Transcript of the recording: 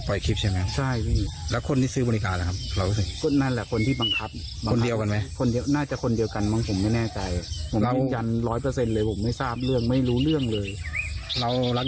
เพราะว่าผมเลี้ยงเค้ามาตั้งแต่เล็ก